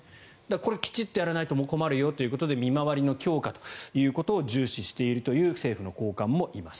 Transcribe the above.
これはきちっとやらないと困るよということで見回りの強化を重視しているという政府の高官もいます。